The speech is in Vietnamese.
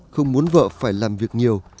không muốn vợ phải làm việc nhiều